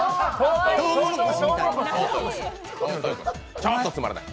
ちょっとつまらない。